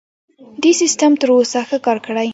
دې سیستم تر اوسه ښه کار کړی.